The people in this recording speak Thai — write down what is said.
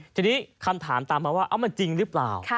ทีนี้คำถามตามมาว่ามันจริงหรือเปล่า